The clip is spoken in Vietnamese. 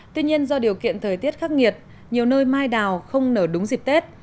tuy nhiên do điều kiện thời tiết khắc nghiệt nhiều nơi mai đào không nở đúng dịp tết